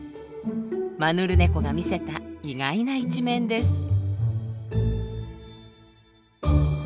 マヌルネコが見せた意外な一面です。